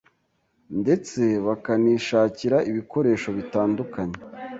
ndetse bakanishakira ibikoresho bitandukanye